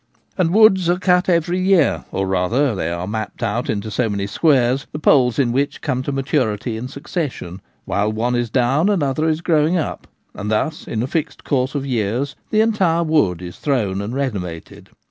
Ash woods are cut every year, or rather they are mapped out into so many squares, the poles in which come to maturity in succession — while one is down another is growing up, and thus in a fixed course of years the entire wood is thrown and renovated.